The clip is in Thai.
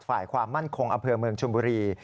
ฝ่ายความมั่นคงอำเภอเมืองชุมบุรี